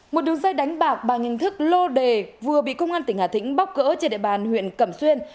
một đường dây đánh bạc bằng hình thức lô đề vừa bị công an tỉnh hà tĩnh bóc gỡ trên địa bàn huyện cẩm xuyên